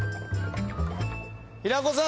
平子さん